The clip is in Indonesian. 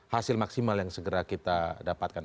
hasil maksimal yang segera kita dapatkan